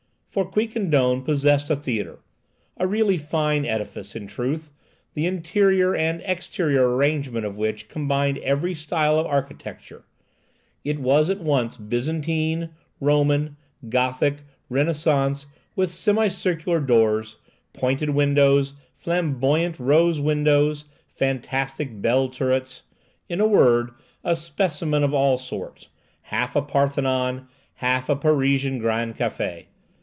For Quiquendone possessed a theatre—a really fine edifice, in truth—the interior and exterior arrangement of which combined every style of architecture. It was at once Byzantine, Roman, Gothic, Renaissance, with semicircular doors, Pointed windows, Flamboyant rose windows, fantastic bell turrets,—in a word, a specimen of all sorts, half a Parthenon, half a Parisian Grand Café.